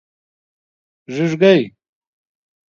🦔 ږېږګۍ